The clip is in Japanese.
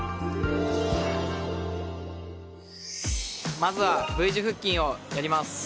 まずはＶ字腹筋をやります。